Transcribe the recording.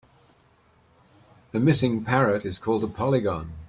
A missing parrot is called a polygon.